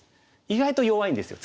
意外と弱いんですよ